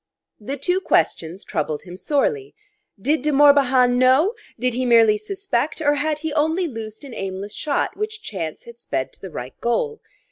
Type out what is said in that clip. The two questions troubled him sorely: Did De Morbihan know, did he merely suspect, or had he only loosed an aimless shot which chance had sped to the right goal?